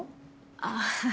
あぁ。